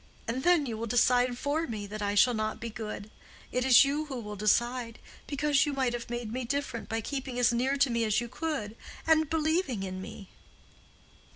And then you will decide for me that I shall not be good. It is you who will decide; because you might have made me different by keeping as near to me as you could, and believing in me."